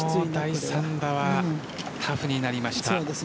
第３打はラフになりました。